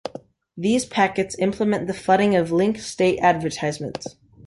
These packets implement the flooding of link state advertisements.